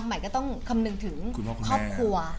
ใหม่ก็ต้องคำนึงถึงครอบครัว